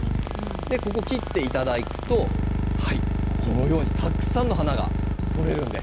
切っていただくとこのようにたくさんの花が取れるんです。